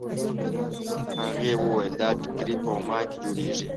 هغې وویل دا ټیکري په عمان کې جوړېږي.